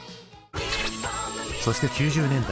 そして９０年代。